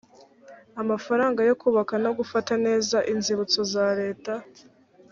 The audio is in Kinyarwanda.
amafaranga yo kubaka no gufata neza inzibutso za leta